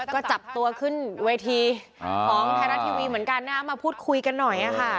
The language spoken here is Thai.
ก็จับตัวขึ้นเวทีของไทยรัฐทีวีเหมือนกันนะมาพูดคุยกันหน่อยค่ะ